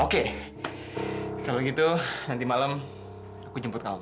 oke kalau gitu nanti malam aku jemput kamu